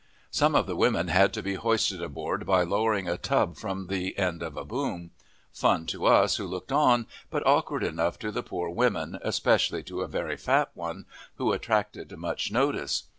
Some of the women had to be hoisted aboard by lowering a tub from the end of a boom; fun to us who looked on, but awkward enough to the poor women, especially to a very fat one, who attracted much notice.